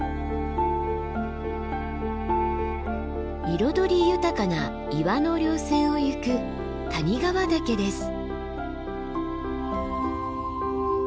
彩り豊かな岩の稜線を行く谷川岳です。